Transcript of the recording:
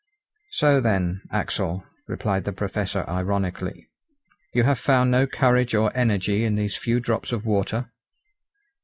"So then, Axel," replied the Professor ironically, "you have found no courage or energy in these few drops of water?"